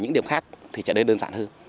những điểm khác thì trở nên đơn giản hơn